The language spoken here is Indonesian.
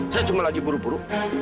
saya cuma lagi buru buru